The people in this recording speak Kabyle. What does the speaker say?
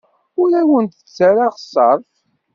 Ur awent-d-ttarraɣ ṣṣerf.